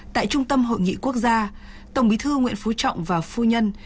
tại trung tâm hội nghị quốc gia tổng bí thư nguyễn phú trọng và phu nhân